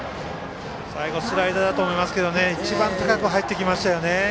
最後スライダーだと思いますけどね一番高く入ってきましたよね。